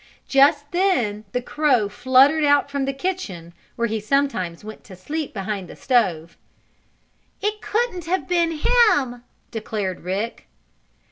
Just then the crow fluttered out from the kitchen, where he sometimes went to sleep behind the stove. "It couldn't have been him," declared Rick.